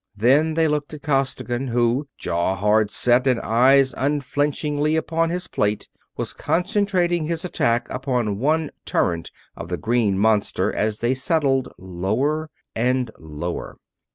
Then they looked at Costigan, who, jaw hard set and eyes unflinchingly upon his plate, was concentrating his attack upon one turret of the green monster as they settled lower and lower.